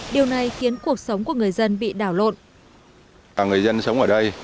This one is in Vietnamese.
điều này khiến cuộc sống của người dân bị đảo lộn